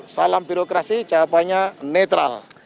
salam birokrasi jawabannya netral